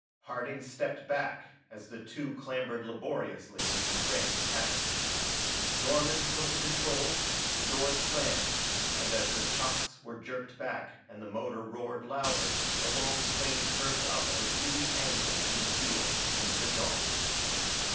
Harding stepped back as the two clambered laboriously into the cramped cabin. Norman took the controls, the door slammed, and as the chocks were jerked back and the motor roared louder the long plane curved up at a dizzy angle from the field into the dawn.